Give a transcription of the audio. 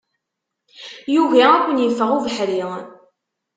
Yugi ad ken-iffeɣ ubeḥri.